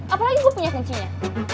apalagi gue punya kuncinya